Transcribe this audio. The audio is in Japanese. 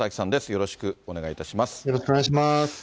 よろしくお願いします。